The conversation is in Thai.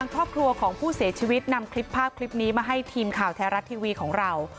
ครอบครัวของผู้เสียชีวิตนำคลิปภาพคลิปนี้มาให้ทีมข่าวแท้รัฐทีวีของเรา